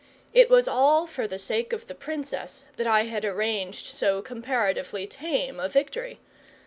It was all for the sake of the Princess that I had arranged so comparatively tame a victory.